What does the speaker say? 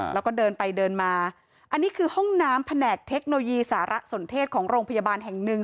แล้วก็เดินไปเดินมาอันนี้คือห้องน้ำแผนกเทคโนโลยีสารสนเทศของโรงพยาบาลแห่งหนึ่ง